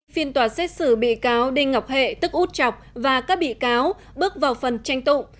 phiên tòa xét xử bị cáo đinh ngọc hệ tức út chọc và các bị cáo bước vào phần tranh tụng